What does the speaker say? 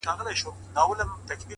گراني ټوله شپه مي؛